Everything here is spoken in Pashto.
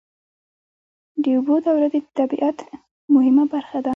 د اوبو دوره د طبیعت مهمه برخه ده.